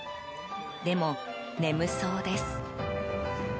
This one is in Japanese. でも、眠そうです。